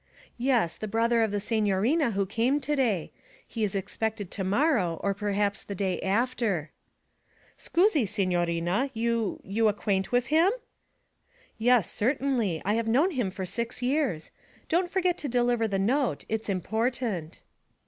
'Yes, the brother of the signorina who came to day. He is expected to morrow or perhaps the day after.' 'Scusi, signorina. You you acquaint wif him?' 'Yes, certainly. I have known him for six years. Don't forget to deliver the note; it's important.'